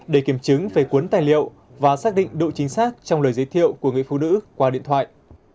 để kiểm chứng về cuốn tài liệu và xác định độ chính xác trong lời giới thiệu của người phụ nữ qua điện thoại